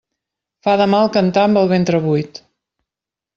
Fa de mal cantar amb el ventre buit.